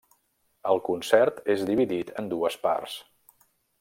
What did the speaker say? El concert és dividit en dues parts.